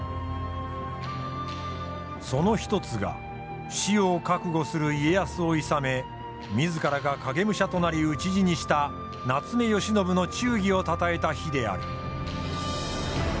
その一つが死を覚悟する家康をいさめ自らが影武者となり討ち死にした夏目吉信の忠義をたたえた碑である。